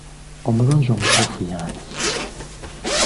Omulonzi omutuufu y'ani?